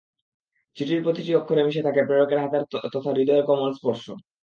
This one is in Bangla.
চিঠির প্রতিটি অক্ষরে মিশে থাকে প্রেরকের হাতের তথা হৃদয়ের কোমল স্পর্শ।